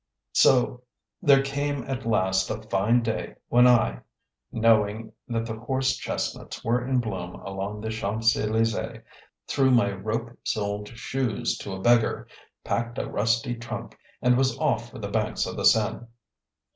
So there came at last a fine day when I, knowing that the horse chestnuts were in bloom along the Champs Elysees, threw my rope soled shoes to a beggar, packed a rusty trunk, and was off for the banks of the Seine.